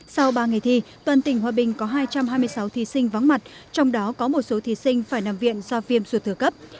sau ba ngày thi toàn tỉnh hòa bình có hai trăm hai mươi sáu thí sinh vắng mặt trong đó có một số thí sinh phải nằm viện do viêm ruột thừa cấp